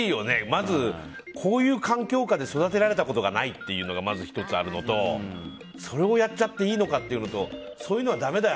まず、こういう環境下で育てられたことがないのがまず１つあるのとそれをやっちゃっていいのかというのとそういうのはだめだよ